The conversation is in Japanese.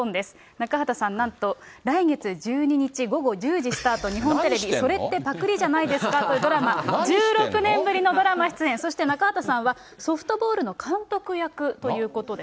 中畑さん、なんと来月１２日午後１０時スタート、日本テレビ、それってパクリじゃないですか？というドラマ、１６年ぶりのドラマ出演、そして中畑さんは、ソフトボールの監督役ということです。